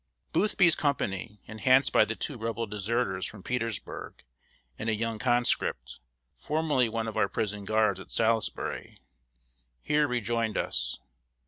Boothby's company, enhanced by the two Rebel deserters from Petersburg, and a young conscript, formerly one of our prison guards at Salisbury, here rejoined us.